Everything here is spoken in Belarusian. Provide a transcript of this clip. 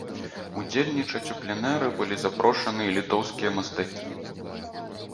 Удзельнічаць у пленэры былі запрошаны і літоўскія мастакі.